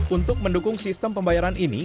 untuk mendukung sistem pembayaran ini